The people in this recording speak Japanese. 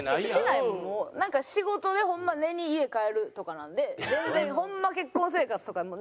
なんか仕事でホンマ寝に家帰るとかなんで全然ホンマ結婚生活とか。何？